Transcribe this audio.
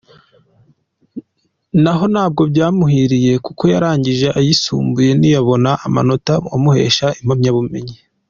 Naho ntabwo byamuhiriye kuko yarangije ayisumbuye ntiyabona amanota amuhesha impamyabumenyi.